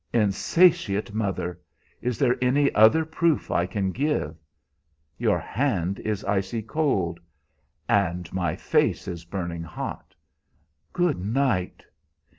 "Insatiate mother! Is there any other proof I can give?" "Your hand is icy cold." "And my face is burning hot. Good night.